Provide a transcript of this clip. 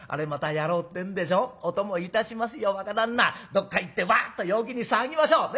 どっか行ってワッと陽気に騒ぎましょう。ね？